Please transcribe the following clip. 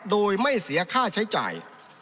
โดยไม่เสียค่าใช้จ่าย